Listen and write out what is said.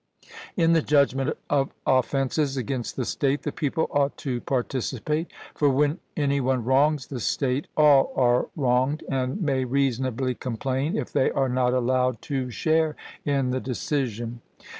In the judgment of offences against the state, the people ought to participate, for when any one wrongs the state all are wronged, and may reasonably complain if they are not allowed to share in the decision.